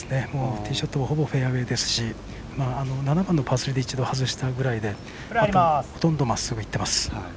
ティーショットもほぼフェアウエーですし７番のパー３で一度外したぐらいでほとんどまっすぐいってます。